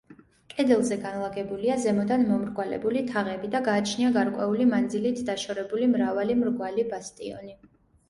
კედელზე განლაგებულია ზემოდან მომრგვალებული თაღები და გააჩნია გარკვეული მანძილით დაშორებული მრავალი მრგვალი ბასტიონი.